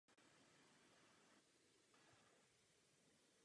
Umožňuje určit stáří dřeva s přesností na kalendářní rok.